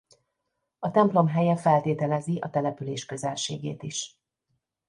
A templom helye feltételezi a település közelségét is.